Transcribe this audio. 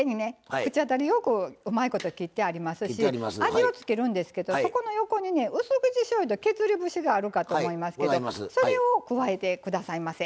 口当たりよくうまいこと切ってありますし味を付けるんですけどそこの横にねうす口しょうゆと削り節があるかと思いますけどそれを加えてくださいませ。